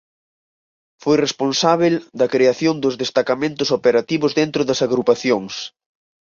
Foi responsábel da creación dos destacamentos operativos dentro das agrupacións.